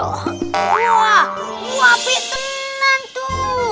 wah wabi tenang tuh